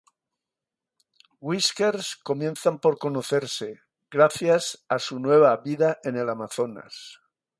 Whiskers comienzan por conocerse, gracias a su nueva vida en el Amazonas.